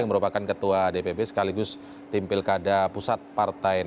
yang merupakan ketua dpp sekaligus tim pilkada pusat partai